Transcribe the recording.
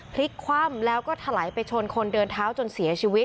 พลิกคว่ำแล้วก็ถลายไปชนคนเดินเท้าจนเสียชีวิต